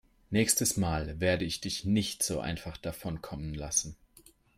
Nächstes Mal werde ich dich nicht so einfach davonkommen lassen.